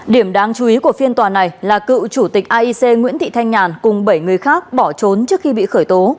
điểm đáng chú ý của phiên tòa này là cựu chủ tịch aic nguyễn thị thanh nhàn cùng bảy người khác bỏ trốn trước khi bị khởi tố